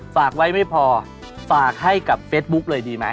ฝากไว้ไม่พอฝากให้กับเฟซบุ๊กเลยดีไหม